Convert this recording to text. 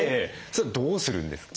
それどうするんですか？